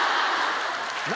何